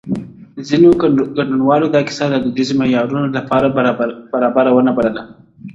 ځينو ګډونوالو دا کيسه د دوديزو معيارونو له پاره برابره ونه بلله،